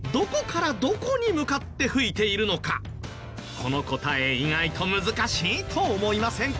この答え意外と難しいと思いませんか？